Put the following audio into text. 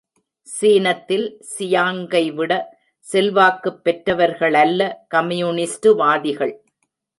சீனத்தில் சியாங்கைவிட, செல்வாக்குப் பெற்றவர்களல்ல கம்யூனிஸ்டுவாதிகள்.